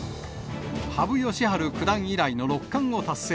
羽生善治九段以来の六冠を達成。